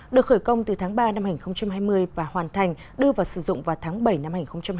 được khởi công từ tháng ba năm hai nghìn hai mươi và hoàn thành đưa vào sử dụng vào tháng bảy năm hai nghìn hai mươi